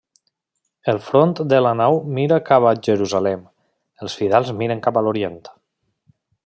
El front de la nau mira cap a Jerusalem, els fidels miren cap a l'Orient.